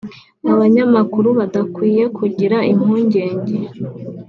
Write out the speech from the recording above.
abanyamakuru badakwiye kugira impungenge